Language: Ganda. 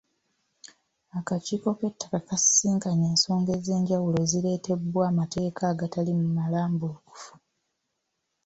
Akakiiko k'ettaka kasisinkanye ensonga ez'enjawulo ezireetebwa amateeka agatali malambulukufu.